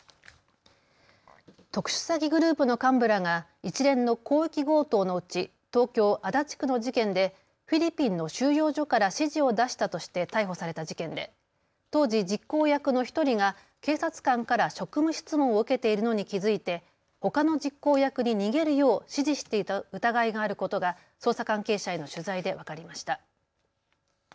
特殊詐欺グループの幹部らが一連の広域強盗のうち東京足立区の事件でフィリピンの収容所から指示を出したとして逮捕された事件で当時、実行役の１人が警察官から職務質問を受けているのに気付いてほかの実行役に逃げるよう指示していた疑いがあることが捜査関係者への取材で分かりました。